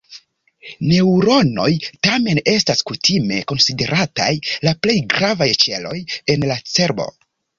Neŭronoj, tamen, estas kutime konsiderataj la plej gravaj ĉeloj en la cerbo.